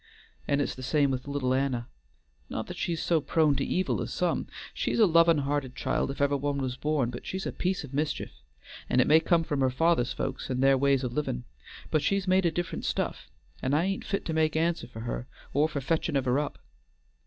And it's the same with little Anna; not that she's so prone to evil as some; she's a lovin' hearted child if ever one was born, but she's a piece o' mischief; and it may come from her father's folks and their ways o' livin', but she's made o' different stuff, and I ain't fit to make answer for her, or for fetchin' of her up.